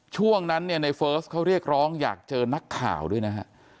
ช่วงนั้นเนี่ยในเฟิร์สเขาเรียกร้องอยากเจอนักข่าวด้วยนะฮะ